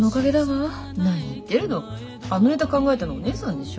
あのネタ考えたのお姉さんでしょ。